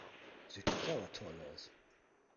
Sieht das aber toll aus.